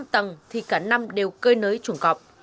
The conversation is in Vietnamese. năm tầng thì cả năm đều cơ nới chuồng cọp